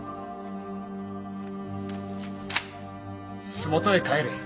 洲本へ帰れ。